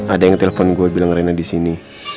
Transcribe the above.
ada yang telepon gue bilang rena disini